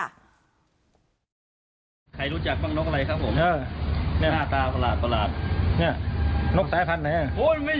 ใครรู้จักบั้งนกอะไรครับผมอ่านวกสะพานไหนอ่ะโอ้ย